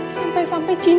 sampai sampai cincin lo